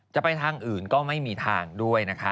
จะไปทางอื่นก็ไม่มีทางด้วยนะคะ